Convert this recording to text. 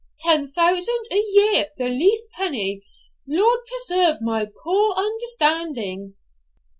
ten thousand a year the least penny! Lord preserve my poor understanding!'